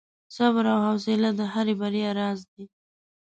• صبر او حوصله د هرې بریا راز دی.